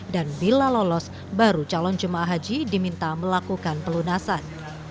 dan bila lolos baru calon jemaah haji diminta melakukan pelunasan